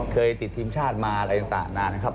ติดทีมชาติมาอะไรต่างนานนะครับ